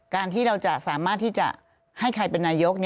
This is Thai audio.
การที่เราจะสามารถที่จะให้ใครเป็นนายก